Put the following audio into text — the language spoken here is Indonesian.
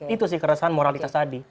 itu sih keresahan moralitas tadi